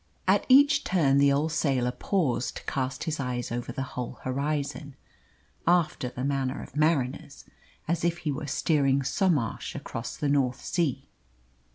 At each turn the old sailor paused to cast his eyes over the whole horizon, after the manner of mariners, as if he were steering Somarsh across the North Sea.